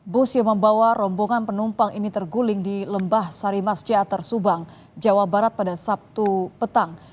bus yang membawa rombongan penumpang ini terguling di lembah sarimas jatar subang jawa barat pada sabtu petang